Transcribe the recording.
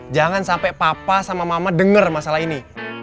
jangan sampe papa sama mama denger masalah ini